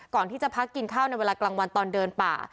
ก่อนที่จะพักกินข้าวในเวลากลางวันตอนเดินป่า